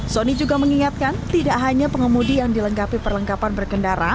sony juga mengingatkan tidak hanya pengemudi yang dilengkapi perlengkapan berkendara